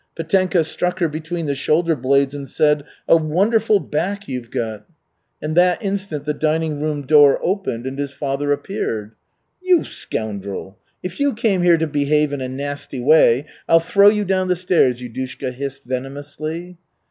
Petenka struck her between the shoulder blades and said, "A wonderful back you've got!" and that instant the dining room door opened and his father appeared. "You, scoundrel! If you came here to behave in a nasty way, I'll throw you down the stairs!" Yudushka hissed venomously.